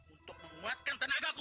untuk menguatkan tenagaku